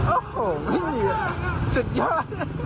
โอ้โหสุดยอด